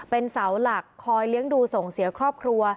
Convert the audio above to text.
เป็นเสาหลักคอยเลี้ยงดูส่งเสียครอบครัว